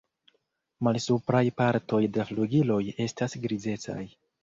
Malsupraj partoj de flugiloj estas grizecaj.